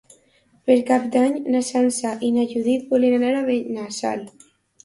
Per Cap d'Any na Sança i na Judit volen anar a Benassal.